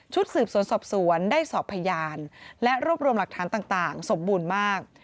สืบสวนสอบสวนได้สอบพยานและรวบรวมหลักฐานต่างสมบูรณ์มาก